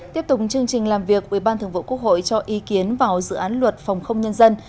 tiếp tục chương trình làm việc ủy ban thường vụ quốc hội cho ý kiến vào dự án luật phòng không nhân dân